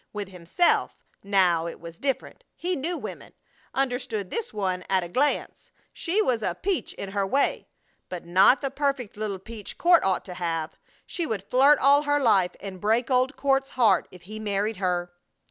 With himself, now, it was different. He knew women! Understood this one at a glance. She was "a peach" in her way, but not the "perfect little peach" Court ought to have. She would flirt all her life and break old Court's heart if he married her.